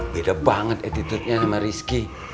beda banget attitude nya sama rizky